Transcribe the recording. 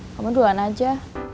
kamu duluan aja